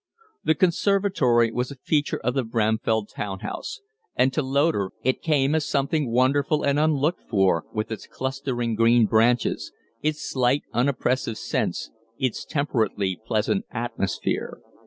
The conservatory was a feature of the Bramfell townhouse, and to Loder it came as something wonderful and unlooked for with its clustering green branches, its slight, unoppressive scents, its temperately pleasant atmosphere.